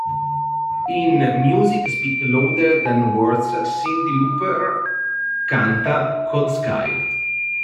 In "Music Speak Louder Than Words" Cyndi Lauper canta "Cold Sky".